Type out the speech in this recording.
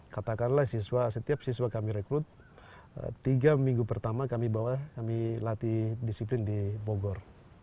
katakanlah setiap siswa kami rekrut tiga minggu pertama kami bawa kami latih disiplin di bogor